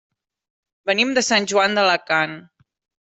Venim de Sant Joan d'Alacant.